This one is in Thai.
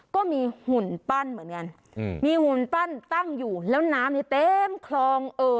ก็มีหุ่นปั้นเหมือนกันมีหุ่นปั้นตั้งอยู่แล้วน้ำนี้เต็มคลองเออ